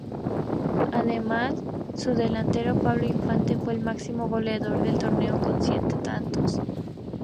Además, su delantero Pablo Infante fue el máximo goleador del torneo con siete tantos.